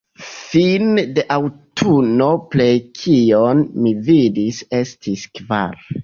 Fine de aŭtuno plej kion mi vidis estis kvar.